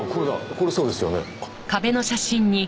これそうですよね？